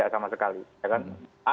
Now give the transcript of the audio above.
tidak sama sekali